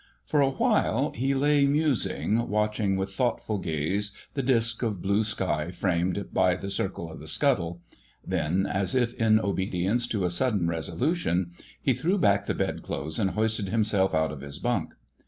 For a while he lay musing, watching with thoughtful gaze the disc of blue sky framed by the circle of the scuttle; then, as if in obedience to a sudden resolution, he threw back the bed clothes and hoisted himself out of his bunk.